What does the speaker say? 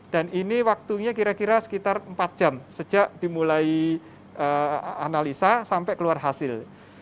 dan ini waktunya kira kira sekitar empat jam sejak dimulai analisa sampai keluar hasil